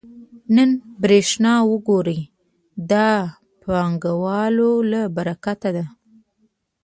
نن برېښنا وګورئ دا د پانګوالو له برکته ده